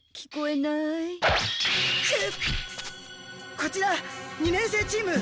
こちら二年生チーム。